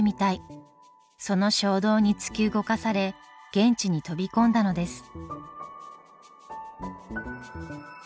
その衝動に突き動かされ現地に飛び込んだのです。